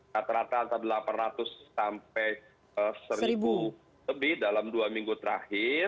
rata rata antara delapan ratus sampai seribu lebih dalam dua minggu terakhir